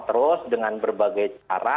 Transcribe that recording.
terus dengan berbagai cara